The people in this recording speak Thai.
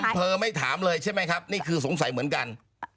เธอไม่ถามเลยใช่ไหมครับนี่คือสงสัยเหมือนกัน